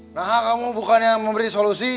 nah kamu bukan yang memberi solusi